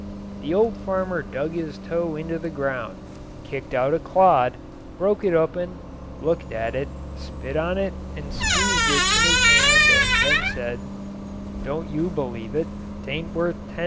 The old farmer dug his toe into the ground, kicked out a clod, broke it open, looked at it, spit on it and squeezed it in his hand and then said, "Don't you believe it; 'tain't worth ten dollars an acre.